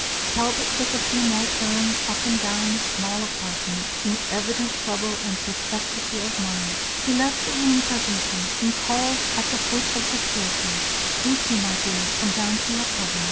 Talbot took a few more turns up and down the small apartment, in evident trouble and perplexity of mind. He left the room presently, and called at the foot of the staircase: "Lucy, my dear, come down to your cousin."